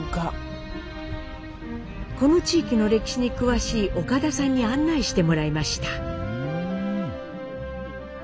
この地域の歴史に詳しい岡田さんに案内してもらいました。